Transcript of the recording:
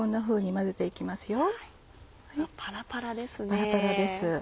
パラパラです。